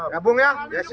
ya bung ya